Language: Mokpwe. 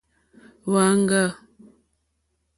Hwá āŋɡâ.